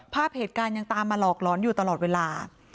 ภาพเหตุการณ์ยังตามมาหลอกหลอนอยู่ตลอดเวลา